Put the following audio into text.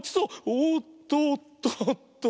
おっとっとっと！